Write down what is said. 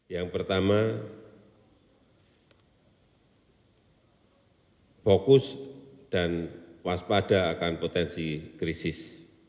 yang pertama fokus dan waspada akan potensi krisis